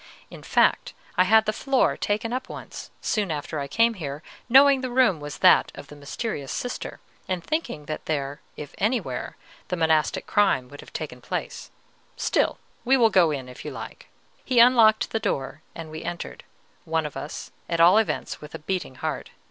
In fact, I had the floor taken up once, soon after I came here, knowing the room was that of the mysterious Sister, and thinking that there, if anywhere, the monastic crime would have taken place; still, we will go in, if you like." He unlocked the door, and we entered, one of us, at all events, with a beating heart.